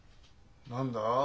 何だ？